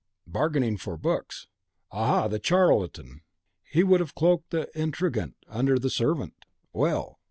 "Bargaining for books! Aha, the charlatan! he would cloak the intriguant under the savant! Well!"